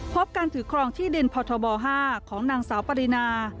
พบการถือครองที่ดินพทบ๕ของนางสาวปรินา